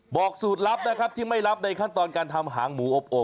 สูตรลับนะครับที่ไม่รับในขั้นตอนการทำหางหมูอบโอบ